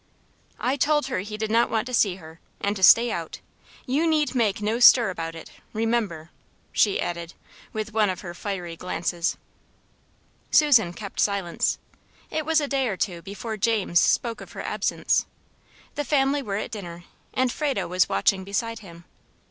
"I told her he did not want to see her, and to stay out. You need make no stir about it; remember:" she added, with one of her fiery glances. Susan kept silence. It was a day or two before James spoke of her absence. The family were at dinner, and Frado was watching beside him.